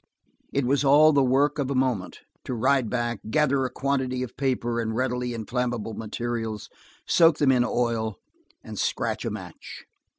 It was all the work of a moment, to ride back, gather a quantity of paper and readily inflammable materials, soak them in oil, and scratch a match.